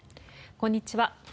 こんにちは。